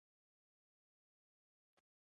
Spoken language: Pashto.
ما ورته وویل: رښتیا هم ډېر ښه، نور نو اوس.